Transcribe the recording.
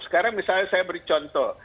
sekarang misalnya saya beri contoh